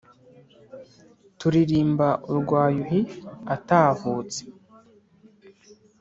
Turirimba urwa Yuhi atahutse